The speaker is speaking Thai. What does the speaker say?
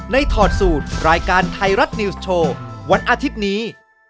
ถอดสูตรรายการไทยรัฐนิวส์โชว์วันอาทิตย์นี้